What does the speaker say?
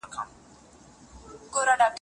که ډیجیټل کتاب وي نو درس نه ټکنی کیږي.